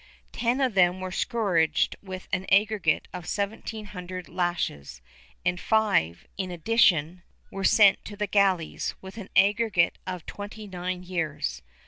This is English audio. Ten of them were scourged with an aggregate of seventeen hundred lashes, and five, in addition, were sent to the galleys, with an aggregate of twenty nine years.